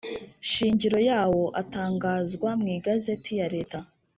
Shingiro yawo atangazwa mu igazeti ya leta